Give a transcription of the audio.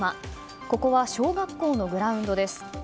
ここは小学校のグラウンドです。